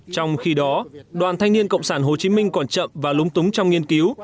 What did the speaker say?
trong khi đó đoàn thanh niên cộng sản hồ chí minh còn chậm và lúng túng trong nghiên cứu